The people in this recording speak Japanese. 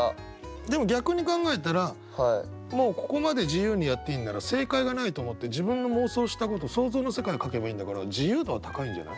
でも逆に考えたらもうここまで自由にやっていいんなら正解がないと思って自分の妄想したこと想像の世界を書けばいいんだから自由度は高いんじゃない？